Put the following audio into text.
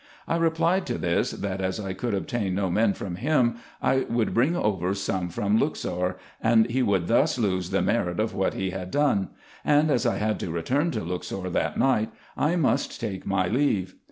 I replied to this, that as I could obtain no men from him, I would bring over some from Luxor, and he would thus lose the merit of what he had done ; and as I had to return to Luxor that night, I must take my leave.